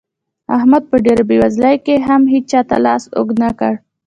احمد په ډېره بېوزلۍ کې هم هيچا ته لاس اوږد نه کړ.